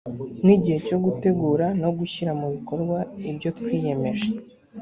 ni igihe cyo gutegura no gushyira mu bikorwa ibyo twiyemeje